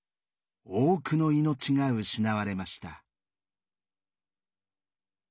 多くの命が失われました。